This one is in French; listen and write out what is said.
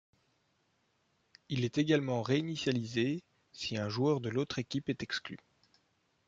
Il est également réinitialisé si un joueur de l'autre équipe est exclu.